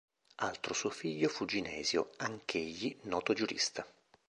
Altro suo figlio fu Ginesio, anch'egli noto giurista.